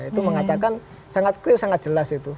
itu mengatakan sangat clear sangat jelas itu